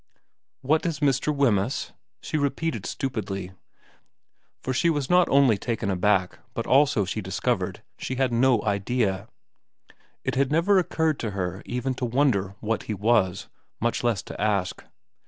* What is Mr. Wemyss ?' she repeated stupidly ; for she was not only taken aback, but also, she discovered, she had no idea. It had never occurred to her even to wonder what he was, much less to ask.